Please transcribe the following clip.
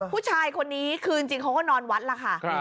ผู้ชายคนนี้คือจริงจริงเขาก็นอนวัดแล้วค่ะครับ